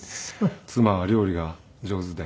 妻は料理が上手で。